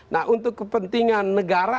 nah untuk kepentingan negara